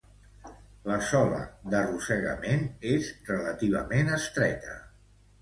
La sola d'arrossegament és relativament estreta.